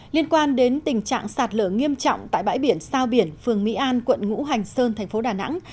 liên quan đến tình trạng sạt lở nghiêm trọng tại bãi biển sao biển phường mỹ an quận ngũ hành sơn thành phố đà nẵng